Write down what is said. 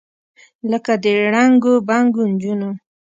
لکه د ړنګو بنګو نجونو،